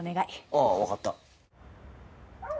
ああわかった。